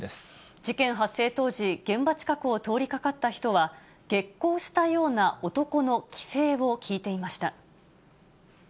事件発生当時、現場近くを通りかかった人は、激高したような男の奇声を聞いていました。